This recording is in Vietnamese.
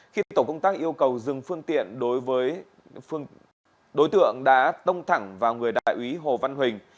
khi tổ công tác yêu cầu dừng phương tiện đối với đối tượng đã tông thẳng vào người đại úy hồ văn huỳnh